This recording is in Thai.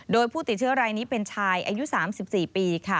โดยผู้ติดเชื้อรายนี้เป็นชายอายุ๓๔ปีค่ะ